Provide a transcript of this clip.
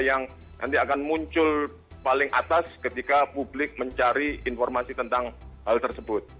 yang nanti akan muncul paling atas ketika publik mencari informasi tentang hal tersebut